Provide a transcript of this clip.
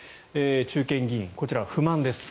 中堅議員、こちらは不満です。